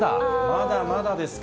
まだまだですか。